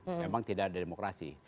memang tidak ada demokrasi